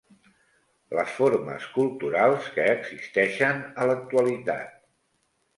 les formes culturals que existeixen a l'actualitat